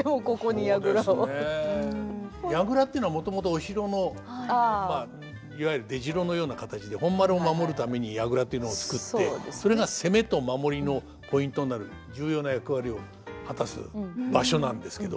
櫓っていうのはもともとお城のまあいわゆる出城のような形で本丸を守るために櫓というのを作ってそれが攻めと守りのポイントになる重要な役割を果たす場所なんですけど。